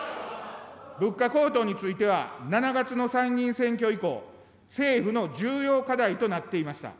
物価高騰については、７月の参議院選挙以降、政府の重要課題となっていました。